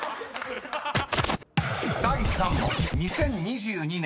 ［第３問２０２２年